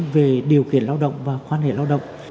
về điều kiện lao động và quan hệ lao động